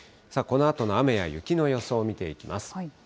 このあとの雨や雪の予想を見ていきます。